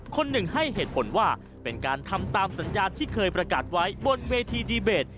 คนหนึ่งให้เหตุผลว่าเป็นการทำตามสัญญาที่เคยประกาศไว้บนเวทีดีเบต